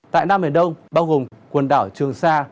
tại nam miền đông bao gồm quần đảo trường sa